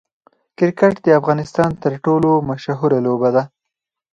کرکټ د افغانستان تر ټولو مشهوره لوبه ده.